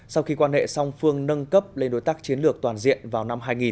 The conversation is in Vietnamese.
sau khi quan hệ song phương nâng cấp lên đối tác chiến lược toàn dân